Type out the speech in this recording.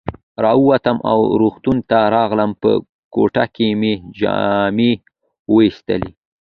را ووتم او روغتون ته راغلم، په کوټه کې مې جامې وایستلې.